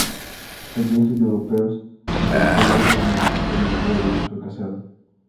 Los viajes de europeos a California fueron muchos, pero la mayoría de ellos fracasaron.